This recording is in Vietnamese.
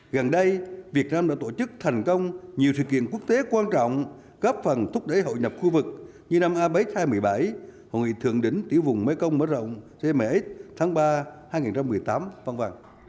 gần đây việt nam đã tổ chức thành công nhiều sự kiện quốc tế quan trọng góp phần thúc đẩy hội nhập khu vực như năm apec hai nghìn một mươi bảy hội nghị thượng đỉnh tiểu vùng mekong mở rộng cms tháng ba hai nghìn một mươi tám v v